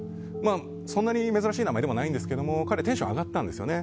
そんなに珍しい名前でもないんですけども彼テンション上がったんですよね。